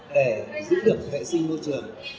để giúp được vệ sinh môi trường